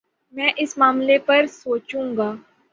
میں اس معاملے پر سوچوں گا